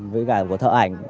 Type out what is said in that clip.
với cả của thợ ảnh